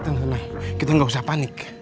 tenang tenang kita nggak usah panik